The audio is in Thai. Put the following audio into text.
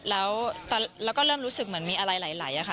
แล้วก็เริ่มรู้สึกเหมือนมีอะไรไหลอะค่ะ